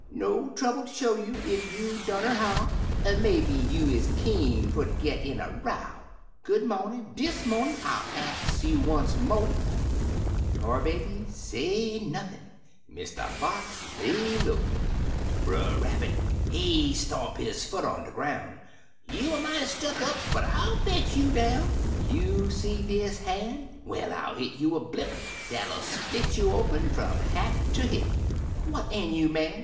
No trouble ter show you ef you dunner how — Er maybe you er keen fer ter git in a row ? Good mornin', dis mornin', I'll ax you once mo' 1 " Tar Baby say nothin' — Mr. Fox lay lowl Brer Rabbit, he stomp his foot on de groun', "You er mighty stuck up, but I'll fetch you downl You see dis han? Well, I'll hit you a blip Dat'll split you open fum hat ter hip! What ail you, man?